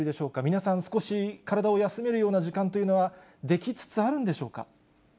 皆さん、少し体を休めるような時間というのは出来つつあるんでしょうか。